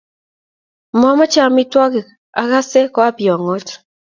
Mamoche amitwogik agase ko apiong'ot.